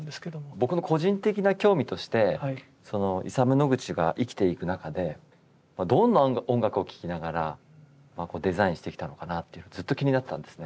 僕の個人的な興味としてイサム・ノグチが生きていく中でどんな音楽を聴きながらデザインしてきたのかなってずっと気になってたんですね。